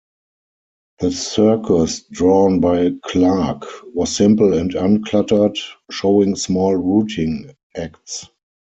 The circus drawn by Clarke was simple and uncluttered, showing small routine acts.